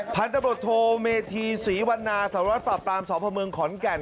ผ่านตำรวจโทรเมธีศรีวรรณาสรรวจปรับตามสอบภพมืองขอนแก่น